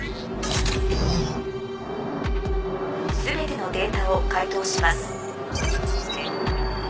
全てのデータを解凍します。